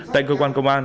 tại cơ quan công an